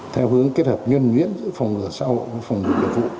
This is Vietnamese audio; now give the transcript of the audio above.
theo hướng kết hợp nhân nguyễn giữa phòng ngừa xã hội và phòng ngừa nhiệm vụ